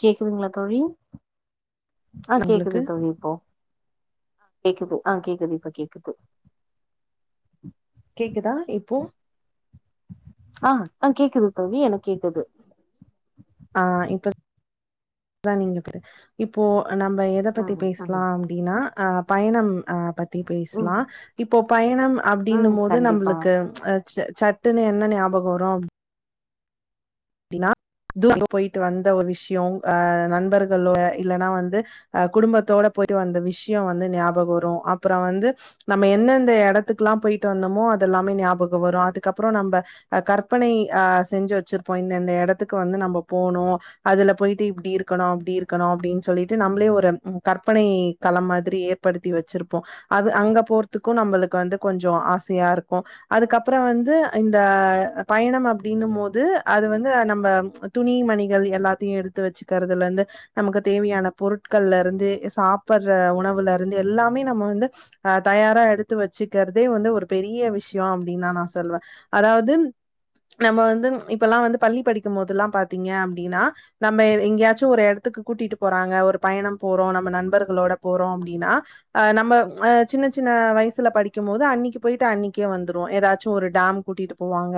கேக்குதுங்களா தோழி அ உங்களுக்கு கேக்குது தோழி இப்போ கேக்குது அ கேக்குது இப்ப கேக்குது கேக்குதா இப்போ அ கேக்குது தோழி எனக்கு கேக்குது அ இப்ப [inaudible] இப்போ நம்ம எத பத்தி ம் பேசலா ம் அப்டின்னா அ பயணம் அ பத்தி ம் பேசலா இப்போ பயணம் ம் அப்டின்னும் போது கண்டிப்பா நம்மளுக்கு ச சட்டுன்னு என்ன ஞாபக வரு அப்டின்னா தூரக்கு போயிட்டு வந்த ஒரு விஷயம் அ நண்பர்கள் இல்லன்னா வந்து அ குடும்பத்தோட போயிட்டு வந்த விஷயோ வந்து ஞாபக வரும் அப்றோ வந்து நம்ம எந்தெந்த இடத்துக்குெல்லா போயிட்டு வந்தோமோ அதெல்லாமே ஞாபகம் வரு அதுக்கப்பறோ நம்ம அ கற்பனை அர செஞ்சு வச்சிருப்போ இந்தந்த எடத்துக்கு வந்து நம்ம போனு அதுல போயிட்டு இப்டி இருக்கணு அப்டி இருக்கணு அப்டின்னு சொல்லிட்டு நம்மளே ஒரு கற்பனை கள மாதிரி ஏற்படுத்தி வச்சிருப்போ அது அங்க போறதுக்கு நம்மளுக்கு வந்து கொஞ்சோ ஆசயா இருக்கு அதுக்கப்பற வந்து இந்த பயணம் அப்டின்னு போது அது வந்து நம்ம துணி மணிகள் எல்லாத்தையு எடுத்து வச்சுக்கறதுலருந்து நமக்கு தேவையான பொருட்கள்ல இருந்து சாப்டுற உணவுல இருந்து எல்லாமே நம்ம வந்து அ தயாரா எடுத்து வச்சுக்கிறதே வந்து ஒரு பெரிய விஷயோ அப்டின்னு தா நா சொல்லுவே அதாவது நம்ம வந்து இப்பெல்லா வந்து பள்ளி படிக்கும் போதல்லா பாத்தீங்க அப்டின்னா நம்ம எ எங்கேயாச்சும் ஒரு எடத்துக்கு கூட்டிட்டு போறாங்க ஒரு பயணம் போறோ நம்ம நண்பர்களோட போறோ அப்டின்னா அ நம்ம அ சின்ன சின்ன வயசுல படிக்கும் போது அன்னைக்கு போயிட்டு அன்னைக்கே வந்துருவோ ஏதாச்சும் ஒரு டாம் கூட்டிட்டு போவாங்க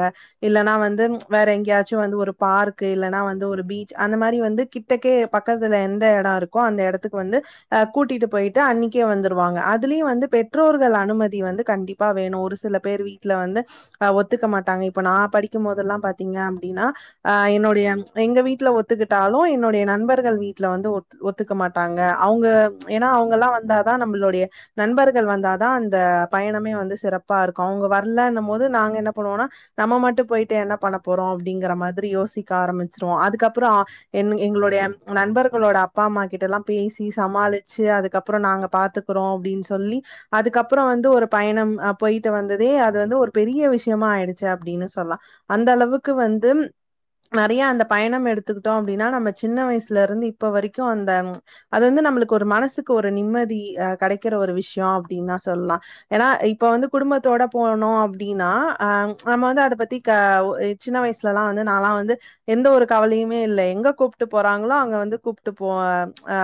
இல்லன்னா வந்து வேற எங்கேயாச்சு வந்து ஒரு பார்க் இல்லனா வந்து ஒரு பீச் அந்த மாரி வந்து கிட்டக்கே பக்கத்துல எந்த எடொ இருக் கோ அந்த எடத்துக்கு வந்து கூட்டிட்டு போயிட்டு அன்னிக்கே வந்துருவாங்க அதுலயு வந்து பெற்றோர்கள் அனுமதி வந்து கண்டிப் பா வேணு ஒரு சில பேர் வீட்ல வந்து ஒத்துக்க மாட்டாங்க இப்ப நா படிக்கும்பதெல்லா பாத் பாத்தீங்க அப்டின்னா அ என்னுடைய எங்க வீட்ல ஒத்துக்கிட்டாலு என்னுடைய நண்பர்கள் வீட்ல வந்து ஒத்துக்க மாட்டாங்க அவங்க ஏன்னா அவங்கல்லா வந்தாதா நம்மளோடைய நண்பர்கள் வந்தாதா அந்த பயணமே வந்து சிறப் பாருக்கு அவங்க வரலன்னு போது நாங்க என்ன பண்ணுவோனா நம்ம மட்டு போயி்ட்டு என்ன பண்ணப் போறோ அப்டிங்கற மாதிரி யோசிக்க ஆரம்பிச்சுருவோ அதுக்கப்பறோ என்னு எங்களுடைய நண்பர்களோட அப்பா அம்மா கிட்டல்லா பேசி சமாளிச்சு அதுக்கப்பறோ நாங்க பாத்து க்குறோ அப்டின் சொல்லி அதுக்கப்பறோ வந்து ஒரு பயணம் போயிட்டு வந்ததே அது வந்து ஒரு பெரிய விஷ விஷயமா ஆயிடுச்சு அப்டின்னு சொல்லா அந்த அளவுக்கு வந்து நெறைய அந்த பயணம் எடுத்துக்கிட்டோ அப்டின்னா நம்ம சின்ன வயசுல இருந்து இப்ப வரைக்கு அந்த அது வந்து நம்மளுக்கு ஒரு மனசுக்கு ஒரு நிம்மதி கெடைக்கிற விஷயோ அப்டின் தான் சொல்லா ஏன்னா இப்ப வந்து குடும்பத்தோட போனோ அப்டின்னா அம் நம்ம வந்து அத பத்தி க சின்ன வயசுலலா வந்து நாலா வந்து எந்த ஒரு கவலையுமே இல்ல எங்க கூப்ட்டு போறாங்களோ அங்க வந்து கூப்ட்டு போ அ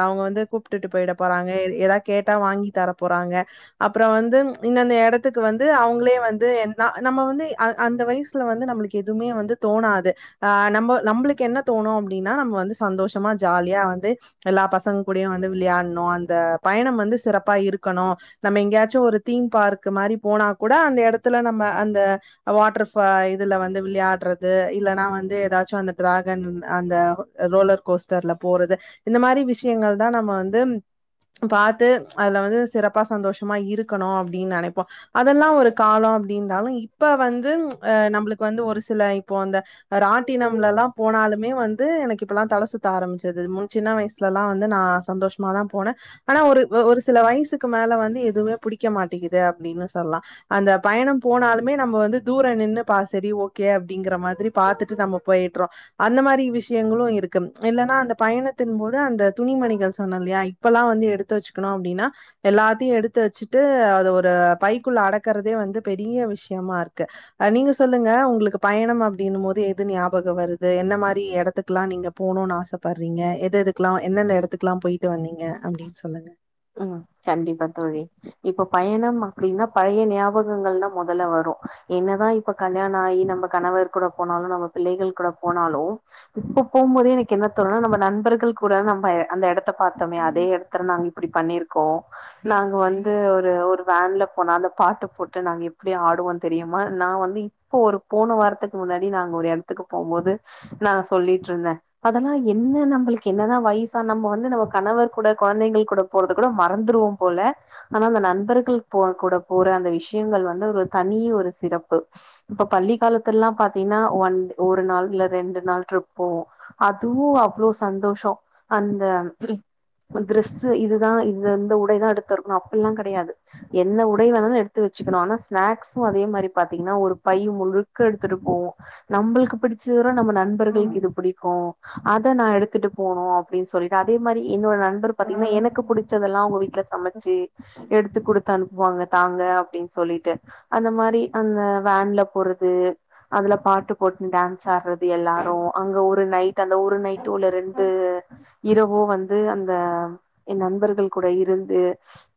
அவுங்க வந்து கூப்டுட்டு போயிட போறாங்க ஏ ஏதா கேட்டா வாங்கி தர போறாங்க அப்புறோ வந்து இந்த இந்த எடத்துக்கு வந்து அவுங்களே வந்து என்னா நம்ம வந்து அ அந்த வயசுல வந்து நம்ளுக்கு எதுவுமே வந்து தோணாது ஆ நம்ம நம்ளுக்கு என்ன தோணு அப்டின்னா நம்ம வந்து சந்தோஷமா ஜாலியா வந்து எல்லா பசங்குடையு வந்து விளையாட்ணு அந்த பயணம் வந்து சிறப்பா இருக்கணு நம்ம எங்கயாச்சு ஒரு தீம் பார்க்கு மாரி போனா கூட அந்த எடத்துல நம்ம அந்த வாட்டர் ஃபா இதுல வந்து விளையாட்றது இல்லன்னா வந்து ஏதாச்சு அந்த டிராகன் அந்த ரோலர் கோஸ்ட்டர்ல போறது இந்த மாரி விஷயங்கள் தா நம்ம வந்து பாத்து அதுல வந்து சிறப்பா சந்தோஷமா இருக்கணு அப்டின் நெனைப்போ அதெல்லா ஒரு காலோ அப்டி இருந்தாலு இப்ப வந்து அ நம்ளுக்கு வந்து ஒரு சில இப்போ அந்த அ ராட்டினம்லல்லா போனாலுமே வந்து எனக்கு இப்பெல்லா தல சுத்த ஆரம்பிச்சுருது முன் சின்ன வயசு சுலலா வந்து நா சந்தோஷமா தா போனே ஆனா ஒரு ஒரு சில வயசுக்கு மேல வந்து எதுவுமே புடிக்க மாட்டேக்குது அப்டின்னு சொல்லா அந்த பயணம் போனாலுமே நம்ம வந்து தூரோ நின்னு பாஸ் சேரி ஓகே அப்டிங்கிற மாத்ரி பாத்துட்டு நம்ம போயிட்றோ அந்த மாரி விஷயங்களு இருக்கு இல்லன்னா அந்த பயணத்தின் போது அந்த துணிமணிகள் சொன்னல்லையா எப்பெல்லா வந்து எடுத்து வச்சுக்கணு அப்டின்னா எல்லாத்தயு எடுத்து வச்சுட்டு அத ஒரு பைக்குள்ள அடக்கறதே வந்து பெரிய விஷ்யமா இருக்கு அ நீங்க சொல்லுங்க உங்களுக் பயணம் அப்டின்னு போது எது ஞாபகோ வருது என்ன மாரி இடத்துக்குல்லா நீங்க போணுன் ஆசப்பறீங்க எது எதுக்குல்லா எந்தெந்த எடத்துக்லா போயிட்டு வந்தீங்க அப்டின் சொல்லுங்க ம் கண்டிப்பா தோழி இப்போ பயணம் அப்டின்னா பழைய ஞாபகங்கள்தா மொதல்ல வரு என்னதா இப் இப்ப கல்யாணோ ஆயி நம்ம கணவர் கூட போனாலு நம்ம பிள்ளைகள் கூட போனாலு இப்ப போம் போதே எனக்கு என்ன தோணுனா நம்ம நண்பர்கள் கூட நம்ப அந்த எடத்த பாத்தோமே அதே இடத்துல நா இப் பண்ணிருக்கோ நாங்க வந்து ஒரு ஒரு வேன்ல போனோ அந்த பாட்டு போட்டு நாங்க எப்டி ஆடுவோ தெரியுமா நா வந்து இப் இப்போ ஒரு போன வாரத்துக்கு முன்னாடி நாங்க ஒரு இடத்துக்கு போம்போது நா சொல்லிட்ருந்தே அதெல்லா என்ன நம்ளுக்கு என்னதா வயசா நம்ம வந்து நம்ம கணவர் கூட கொழந்தைங்கள் கூட போறது கூட மறந்துருவோம் போல ஆனா அந்த நண்பர்கள் போ கூட போற அந்த விஷயங்கள் வந்து ஒரு தனி ஒரு சிறப்பு இப்ப பள்ளி காலத்துல்லா பாத்தீங்ன்னா ஒன் ஒரு நாள் இல்ல ரெண்டு நாள் ட்ரிப் போவோ அதுவு அவ்ளோ சந்தோஷோ அந்த ம் த்ரெஸ்ஸு இது இதா இந்த இந்த உடைதா எடுத்துருனு அப்பில்லா கெடயாது எந்த உடை வேணுன்னு எடுத்து வச்சுக்கணு ஆனா ஸ்நாக்சு அதே மாரி பாத்தீங்கன்னா ஒரு பை முழுக்க எடுத்துட்டு போவோ நம்ளுக்கு பிடிச்ச தவர நம்ம நண் நண்பர்களுக்கு இது பிடிக்கு அத நா எடுத்துட்டு போனு அப்டின் சொல்லிட்டு அதே மாரி என்னோட ந நண்பர் பாத்தீங்ன்னா எனக்கு பிடிச்சதெல்லா அவுங்க வீட்டுல சமச்சு எடுத்து குடுத்து அனுப்புவாங்க தாங்க அப்டின் சொல்லிட்டு அந்த மாரி அந்த வேன்ல போறது அதுல பாட்டு போட்டு டான்ஸ் ஆடுறது எல்லாரு அங்க ஒரு நைட் டு அந்த ஒரு நைட்டோ இல்ல ரெண்டு இரவோ வந்து அந்த என் நண்பர்கள் கூட இருந்து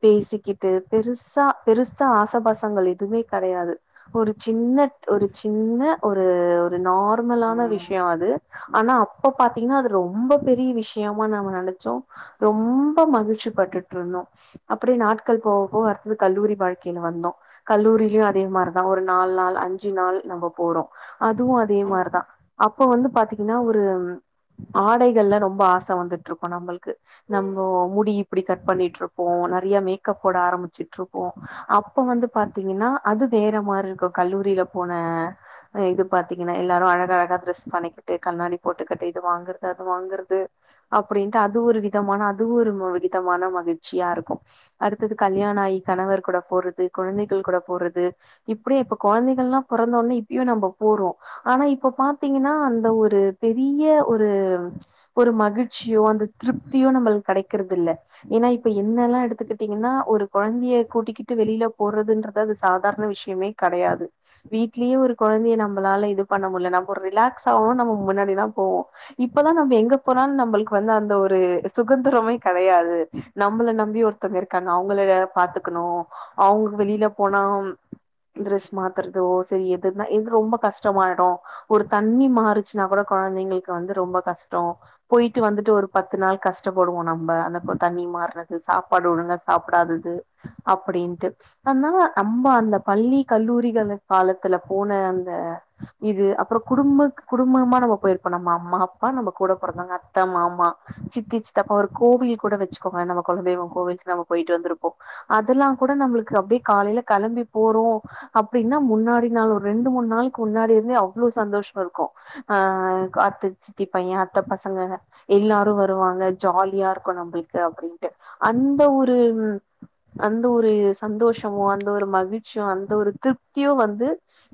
பேசிக்கிட்டு பெருசா பெருசா ஆச பாசங்கள் எதுமே கெடையாது ஒரு சின்ன ஒரு சின்ன ஒரு ஒரு நார்மலான விஷ்யோ அது ஆனா அப்ப பார்த்தீங்கன்னா அது ரொம்ப பெரிய விஷ்யமா நாம நெனைச்சோ ரொம் ப மகிழ்ச்சி பட்டுட்டு இருந்தோ அப்டியே நாட்கள் போக போக அடுத்தது கல்லூரி வாழ்க்கையில வந்தோ கல்லூரியிலயு அதே மாரிதா ஒரு நாலு நாள் அஞ்சு நாள் நம்ம போறோ அதுவு அதே மாரிதா அப்ப வந்து பாத்தீங்கன்னா ஒரு ஆடைகள்ல ரொம்ப ஆசை வந்துட்டு இருக்கு நம்மளுக்கு நம் இப்போ முடி இப்டி கட் பண்ணிட்டு இருப்போ நறையா மேக்கப் போட ஆரம்பிச்சுட்டு இருப்போ அப்ப வந்து பாத்தீங்கன்னா அது வேற மாரி இருக்கு கல்லூரியில போன ஆ இது பாத்தீங்கன்னா எல்லாரு அழக அழகா டிரெஸ் பண்ணிக்கிட்டு கண்ணாடி போட்டுக்கிட்டு இது வாங்குறது அது வாங்குறது அப்டின்ட்டு அது ஒரு விதமான அது ஒரு விதமான மகிழ்ச்சியா இருக்கு அடுத்தது கல்யாண ஆகி கணவர் கூட போறது குழந்தைகள் கூட போறது இப்டியே இப்ப கொழந்தைகள்லா பொறந்த ஒடனே இப்பியு நம்ம போறோ ஆனா இப்ப பாத்தீங்கன்னா அந்த ஒரு பெரிய ஒரு ஒரு மகிழ்ச்சியோ அந்த திருப்தியோ நம்மளுக்கு கெடைக்குறது இல்ல ஏனா இப்ப என்னெல்லா எடுத்துக்கிட்டீங்கன்னா ஒரு கொழந்தைய கூட்டிக்கிட்டு வெளியில போறதுன்றது அது சாதாரண விஷ்யமே கெடையாது வீட்லயு ஒரு கொழந்தைய நம்மளால இது பண்ண முடியல நம்ம ஒரு ரிலாக்ஸ் ஆவோணு நம்ம முன்னாடியெல்லா போவோ இப்பதா நம்ம எங்க போனாலு நம்மளுக்கு வந்து அந்த ஒரு சுதந்திரமே கெடையாது நம்மள நம்பி ஒருத்தவ்ங்க இருக்காங்க அவுங்கள வேற பாத்துக்கணு அவுங்களுக்கு வெளியில போனா டிரெஸ் மாத்துறதோ செரி எதுனா எது ரொம்ப கஷ்டமாயிடு ஒரு தண்ணி மாறுச்சுன்னா கூட கொழந்தைங்களுக்கு வந்து ரொம்ப கஷ்டோ போயிட்டு வந்துட்டு ஒரு பத்து நாள் கஷ் டப்படுவோ நம்ம அந்த கொ தண்ணி மார்ரது சாப்பாடு ஒழுங்கா சாப்பிடாதது அப்டின்ட்டு அதனால நம்ம அந்த பள்ளி கல்லூரிகளு காலத்துல போன அந்த இது அப்றோ குடும்பக் குடும்பமா நம்ம போயிருப்போ நம்ம அம்மா அப்பா நம்ம கூட பொறந்தவங்க அத்த மாமா சித்தி சித்தப்பா ஒரு கோவிலி கூட வச்சுக்கோங்க நம்ம கொலதெய்வம் கோவிலுக்கு நம்ம போயிட்டு வந்திருப்போ அதெல்லா கூட நம்மளுக்கு அப்டியே காலையில கெளம்பி போறோ அப்டினா முன்னாடி நாள் ஒரு ரெண்டு மூணு நாளுக்கு முன்னாடி இருந்தே அவ்ளோ சந்தோஷமா இருக்கு ஆ காத்து சித்தி பையன் அத்த பசங்க எல்லாரு வருவாங்க ஜாலியா இருக்கு நம்மளுக்கு அப்டின்ட்டு அந்த ஒரு அந்த ஒரு சந்தோஷமோ அந்த ஒரு மகிழ்ச்சியோ அந்த ஒரு திருப்தியு வந்து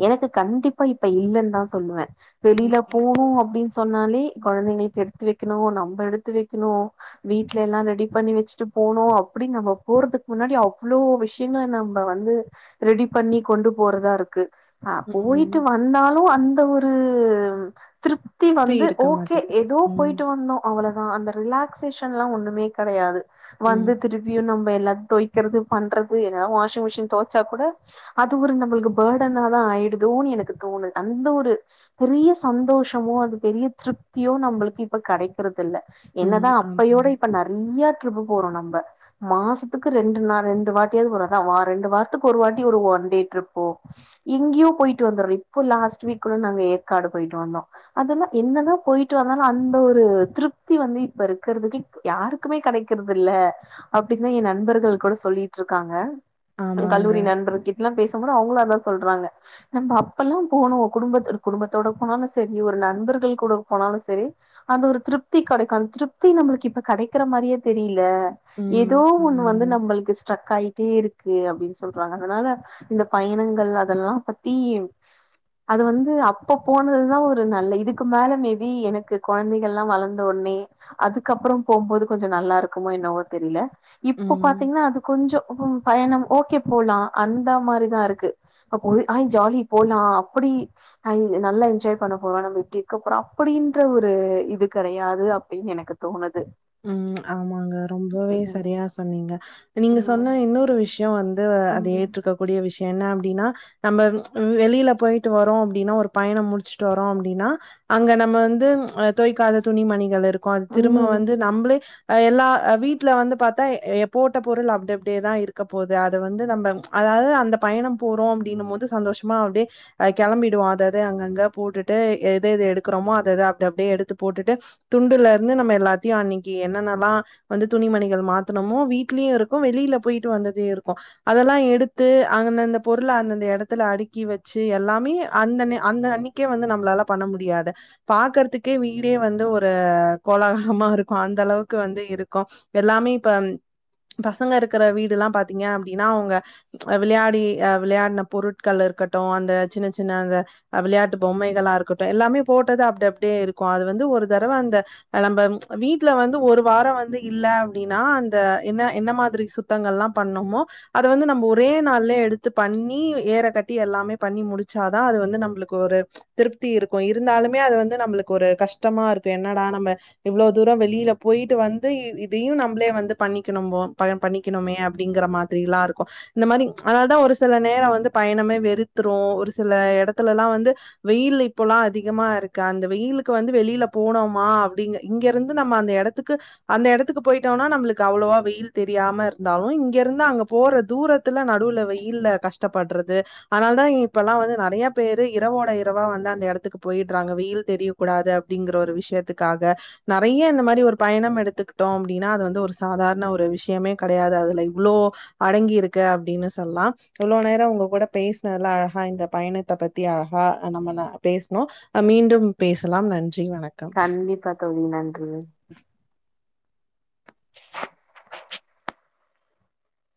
எனக்கு கண்டிப்பா இப்ப இல்லன்னு தா சொல்லுவே வெளியில போணு அப்டின் சொன்னாலே கொழந்தைங்களுக்கு எடுத்து வைக்கணு நம்ம எடுத்து வைக்கணு வீட்ல எல்லா ரெடி பண்ணி வச்சுட்டு போனு அப்டி நம்ம போறதுக்கு முன்னாடி அவ்ளோ விஷ் யங்கள நம்ம வந்து ரெடி பண்ணி கொண்டு போறதா இருக்கு ஆ ம். போயிட்டு வந்தாலு அந்த ஒரு திருப்தி ஃப்ரீ வந்து இருக்க ஓகே மாட்டேங்குது. எதோ ம். போயிட்டு வந்தோ அவ்ளோதா அந்த ரிலாக்சேஷன் எல்லா ஒண்ணுமே கெடையாது வந்து ம். திருப்பியு நம்ம எல்லா தொய் க்கிறது பண்றது எதாது வாஷிங் மிஷின் தொவச்சா கூட அது ஒரு நம்மளுக்கு பேர்டனாதா ஆயிடுதோன்னு எனக்கு தோணு அந்த ஒரு பெரிய சந்தோஷமோ அது பெரிய திருப்தியோ நம்மளுக்கு இப்ப கெடைக்கறது இல்ல ம். என்னதா அப்பயோட ஆமாங்க. இப்ப நறையா ட்ரிப்பு போறோ நம்ப மாசத்துக்கு ரெண்டு நா ரெண்டு வாட்டியாது ஒரு அதா ஒ ரெண்டு வாரத்துக்கு ஒரு வாட்டி ஒரு ஒன் டே ட்ரிப்போ இங்கயோ போயிட்டு வந்தோரோ இப்போ லாஸ்ட் வீக்ல ஏற்காடு போயிட்டு வந்தோ அதெல்லா என்னதா போயிட்டு வந்தாலு அந்த ஒரு திருப்தி வந்து இப்ப இருக்கறதுக்கு யாருக்குமே கிடைக்கறது இல்ல அப்டின்தான் என் நண்பர்கள் கூட சொல்லிட்டு இருக்காங்க ஆமாங்க. கல்லூரி நண்பர்கள் கிட் எல்லாம் பேசும்போது அவங்களும் அதா சொல்றாங்க நம்ப அப்பெல்லா போனோம் குடும்ப குடும்பத்தோட போனாலும் செரி ஒரு நண்பர்கள் கூட போனாலும் செரி அந்த ஒரு திருப்தி கெடைக்காது திருப்தி நம்மளுக்கு இப்ப கடைக்கிற மாரியே தெரியல ம். ஏதோ ஒண்ணு ஆமாங்க. வந்து நம்மளுக்கு ஸ்ட்ரக் ஆயி ட்டே இருக்கு அப்டின் சொல்றாங்க அதனால இந்த பயணங்கள் அதெல்லா பத்தி அது வந்து அப்ப போனதுதான் ஒரு நல்ல இதுக்கு மேல மேபி எனக்கு குழந்தைகள்ல்லா வளந்தவுன்னே அதுக்கப்பறோ போகும்போது கொஞ்சோ நல்லா இருக்குமோ என்னவோ தெரியல இப்போ ம். பாத்தீங்கன்னா அது கொஞ்சோ ஏ பயணம் ஓகே போலாம் அந்த மாரிதா இருக்கு அப்போயி அய் ஜாலி போலாம் அப்புடி ஹைன் நல்லா என்ஜாய் பண்ண போரோ நம்ம இப்டி இருக்கபோறோ அப்டின்ற ஒரு இது கெடையாது அப் டின் எனக்கு தோணுது ம் ஆமாங்க ரொம்பவே ம் சரியா சொன்னீங்க நீங்க சொன்ன ம் இன்னொரு விஷயம் வந்து அது ம் ஏற்றுக்க கூடிய விஷயம் என்ன அப்டின்னா நம்ம வெளியில போயிட்டு வரோ அப்டின்னா ஒரு பயணம் முடிச்சுட்டு வரோ அப்டின்னா அங்க நம்ம வந்து அ தோய்கக்காத துணி மணிகள் இருக்கு அது திரும்ப ம் வந்து நம்ளே எல்லா வீட்ல வந்து பாத்தா ஏ போட்ட பொருள் அப்டி அப்டியேதா இருக்க போது அத வந்து நம்ம அதாவது அந்த பயணம் போறோ அப்டின்னு மோது சந்தோஷமா அப்டியே கிளம்பிடுவோ அதஅது அங்கங்க போட்டுட்டு எத எது எடுக்கறமோ அதஅது அப்டி அப்டியே எடுத்து போட்டுட்டு துண்டுல இருந்து நம்ம எல்லாத்தையு அன்னைக்கு என்னன்னல்லா வந்து துணிமணிகள் மாத்தனமோ வீட்லயு இருக்கு வெளியில போயிட்டு வந்தது இருக்கு அதெல்லா எடுத்து அந்தந்த பொருள் அந்தந்த எடத்துல அடுக்கி வெச்சு எல்லாமே அந்த நே அந்த அன்னி க்கே வந்து நம்மளால பண்ண முடியாது பாக்கறதுக்கே வீடே வந்து ஒரு கோலாறா றம்மா இருக்கு அந்த அளவுக்கு வந்து இருக்கு எல்லாமே இப்ப பசங்க இருக்கிற வீடு எல்லா பாத்தீங்க அப்டின்னா அவங்க விளையாடி விளையாடின பொருட்கள் இருக்கட்டு அந்த சின்ன சின்ன அந்த விளையாட்டு பொம்மைகளா இருக்கட்டு எல்லாமே போட்டது அப்டி அப்டியே இருக்கு அது வந்து ஒரு தரவ அந்த நம்பம் வீட்ல வந்து ஒரு வாரம் வந்து இல்ல அப்டின்னா அந்த என்ன என்ன மாதிரி சுத்தங்கள்ல்லா பண்ணோமோ அத வந்து நம்ம ஒரே நாள்லே எடுத்து பண்ணி ஏற கட்டி எல்லாமே பண்ணி முடிச் சாத அது வந்து நம்மளுக்கு ஒரு திருப்தி இருக்கு இருந்தாலுமே அது வந்து நம்மளுக்கு ஒரு கஷ்டமா இருக்கு என்னடா நம்ப இவ்ளோ தூரம் வெளியில போய்ட்டு வந்து இதையு நம்பளே வந்து பண்ணிக்கணும்மோ பண்ணிக்கணுமே அப்டிங்கற மா திரிலா இருக்கு இந்த மாரி அதனால தா ஒரு சில நேரம் வந்து பயணமே வெறுத்துரும் ஒரு சில எடத்துலல்லா வந்து வெயில் இப்பல்லா அதிகமா இருக்கு அந்த வெயிலுகு வந்து வெளியில போனமா அப்டிங்க இங்க இருந்து நம்ம அந்த எடத்துக்கு அந்த எடத்துக்கு போயிட்டோம்னா நம்மளுக்கு அவ்ளோவா வெயில் தெரியாம இருந்தாலு இங்க இருந்து அங்க போற தூரத் துல நடுவுல வெயில்ல கஷ்டப்பட்றது அதனால தா இப்பெல்லா வந்து நெறைய பேரு இரவோட இரவா வந்து அந்த எடத் துக்கு போயிட்றாங்க வெயில் தெரிய கூடாது அப்டிங்கிற ஒரு விஷயத்துக்காக நெறைய இந்த மாரி ஒரு பயணம் எடுத்துக்கிட்டோம் அப்டின்னா அது வந்து ஒரு சாதாரண ஒரு விஷயமே கடையாது அதுல இவ்ளோ அடங்கி இருக்க அப்டின்னு சொல்லலா இவ்ளவு நேரோ உங்க கூட பேசினதுல அழகா இந்த பயணத்த பத்தி அழகா நம்ம ந பேசுனோ ஆ மீண்டும் பேசலாம் நன்றி வணக் கண்டிப்பா தோழி நன்றி. [unintelligible]